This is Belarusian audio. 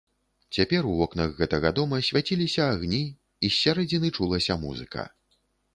Цяпер у вокнах гэтага дома свяціліся агні і з сярэдзіны чулася музыка.